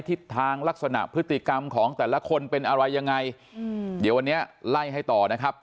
ทิศทางลักษณะพฤติกรรมของแต่ละคนเป็นอะไรยังไงอืมเดี๋ยววันนี้ไล่ให้ต่อนะครับ